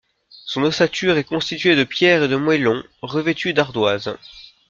Son ossature est constituée de pierre et de moellon, revêtue d'ardoise.